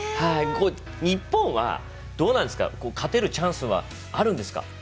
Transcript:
日本はどうなんですか勝てるチャンスはあるんですか？